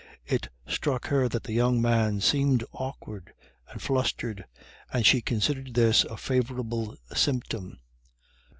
It struck her that the young man seemed awkward and flustered, and she considered this a favourable symptom.